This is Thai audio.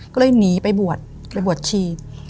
ก็เลยหนีไปบวชไปบวชชี